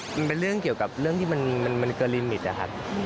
มันเป็นเรื่องเกี่ยวกับเรื่องที่มันเกินลิมิตนะครับ